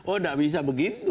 oh tidak bisa begitu